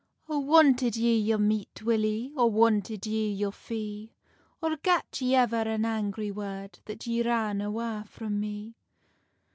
"O wanted ye your meat, Willy? Or wanted ye your fee? Or gat ye ever an angry word, That ye ran awa frae me?"